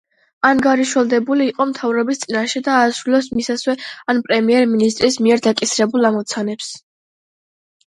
ანგარიშვალდებული იყო მთავრობის წინაშე და ასრულებს მისსავე ან პრემიერ-მინისტრის მიერ დაკისრებულ ამოცანებს.